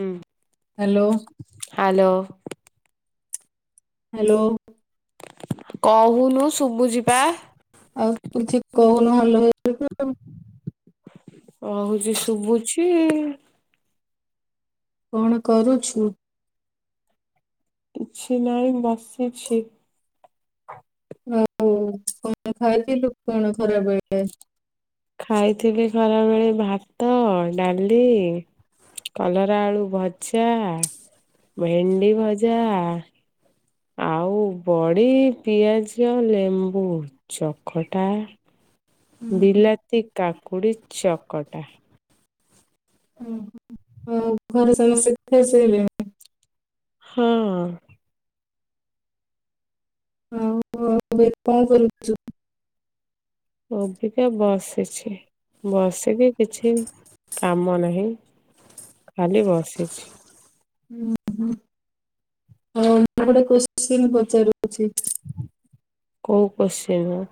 ହୁଁ hello hello hello କହୁନୁ ଶୁଭୁଚି ପା ଆଉ କିଛି କହୁନୁ ହାଲ ହାଲ କଣ ହଉଚୁ କହୁଛି ଶୁଭୁଚି କଣ କରୁଛୁ କିଛି ନାହିଁ ବସିଛି ହଉ କଣ ଖାଇଥିଲୁ କଣ ଖରା ବେଳେ ଖାଇଥିଲି ଖରାବେଳେ ଭାତ ଡାଲି କଲରା ଆଳୁ ଭଜା ଭେଣ୍ଡି ଭଜା ଆଉ ବଡ଼ି ପିଆଜ ଲେମ୍ବୁ ଚକଟା ଉହୁଁ, ବିଲାତି କାକୁଡ଼ି ଚକଟା ଓହୋ ହଉ ଘରେ ସମସ୍ତେ ଖାଇ ଶୋଇଲେଣି ହଁ ହଉ ଏବେ କଣ କରୁଛୁ? ଅବିକା ବସିଛି ବସିକି କିଛି କାମ ନାହିଁ ଖାଲି ବସିଛି ହଁ ହଁ ମୁଁ ଗୋଟେ କିଶ୍ଚିନ୍ ପଚାରୁ କୋଉ କଶ୍ଚିନ?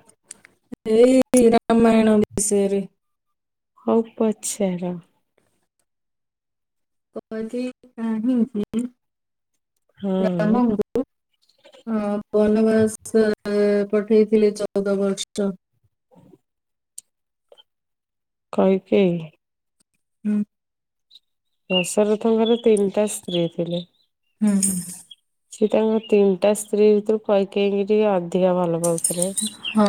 ଏଇ ରାାମାୟଣ ବିଷୟରେ ହଉ ପଚାର କୈକେୟୀ କାହିଁକି ହଁ ରାମ ଙ୍କୁ କୁ ଅଁ ବନବାସ ପଠେଇଥିଲେ ଚଉଦ ବର୍ଷ [inaudible] କହିକେହି। ହୁଁ। ଦଶରଥଙ୍କର ତିନିଟା ସ୍ତ୍ରୀ ଥିଲେ। ହୁଁ ହୁଁ। ସିଏ ତାଙ୍କ ତିନିଟା ସ୍ତ୍ରୀ ଭିତରୁ କହିକେଇକି ଟିକେ ଅଧିକା ଭଲ ପାଉଥିଲେ। ହଁ।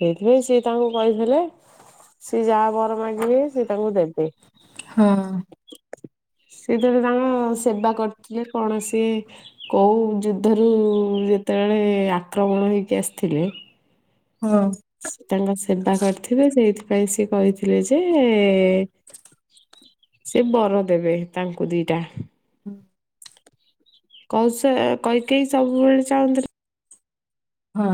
ହେଇଥିବାଇ ସିଏ ତାଙ୍କୁ କହିଥିଲେ ସିଏ ଯାହା ବର ମାଗ ସେ ତାଙ୍କୁ ଦେବେ। [inaudible] ହଁ ସେଥିରେ ତାଙ୍କ ସେବା କରିଥିଲେ କୌଣସି। କୋଉ ଯୁଦ୍ଧରୁ ଯେତେବେଳେ ଆକ୍ରମଣ ହେଇକି ଆସିଥିଲେ? ହଁ। ସେ ତାଙ୍କ ସେବା କରିଥିବେ। ସେଇଥିପାଇଁ ସିଏ କହିଥିଲେ ଯେ ସେ ବର ଦେବେ ତାଙ୍କୁ ଦିଟା। [unintelligible] କୌସ କଇକହି ସବୁବେଳେ ଚାହୁଁଥିଲେ। ହଁ।